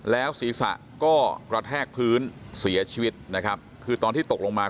แล้วศีรษะก็กระแทกพื้นเสียชีวิตนะครับคือตอนที่ตกลงมา